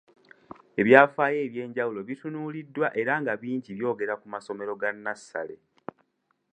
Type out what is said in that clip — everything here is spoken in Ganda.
Ebyafaayo eby’enjawulo bitunuuliddwa era nga bingi byogera ku masomero ga nnassale.